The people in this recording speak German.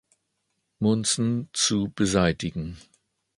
Munson zu beseitigen.